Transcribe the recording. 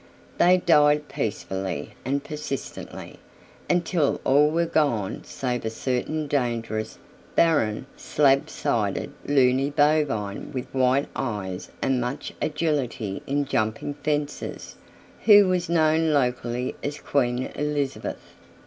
They died peacefully and persistently, until all were gone save a certain dangerous, barren, slab sided luny bovine with white eyes and much agility in jumping fences, who was known locally as Queen Elizabeth.